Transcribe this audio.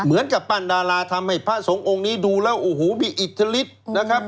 ปั้นดาราทำให้พระสงฆ์องค์นี้ดูแล้วโอ้โหมีอิทธิฤทธิ์นะครับ